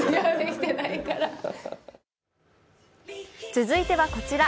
続いては、こちら。